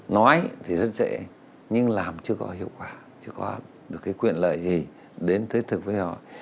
nói thì rất dễ nhưng làm chưa có hiệu quả chưa có được cái quyền lợi gì đến thiết thực với họ